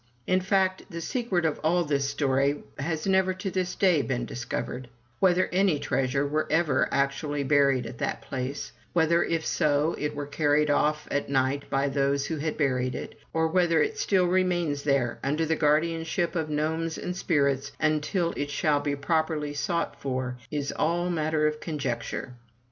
In fact, the secret of all this story has never to this day been discovered; whether any treasure were ever actually buried at that place; whether, if so, it were carried off at night by those who had buried it; or whether it still remains there under the guardianship of gnomes and spirits until it shall be properly sought for, is all matter of conjecture.